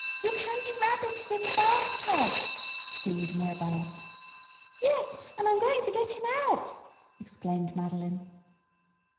"Your Candy Rabbit is in the bathtub!" screamed Mirabell. "Yes, and I'm going to get him out!" exclaimed Madeline.